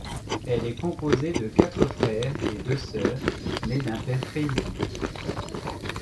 Elle est composée de quatre frères et deux sœurs, née d'un père paysan.